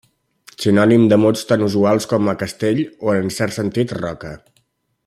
Sinònim de mots tan usuals com a castell o en cert sentit roca.